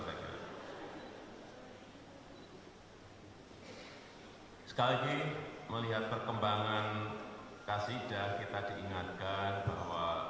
sekali lagi melihat perkembangan kasidah kita diingatkan bahwa